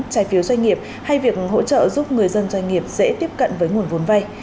giới doanh nghiệp hay việc hỗ trợ giúp người dân doanh nghiệp dễ tiếp cận với nguồn vốn vay